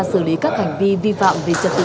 xử lý các hành vi vi phạm về trật tự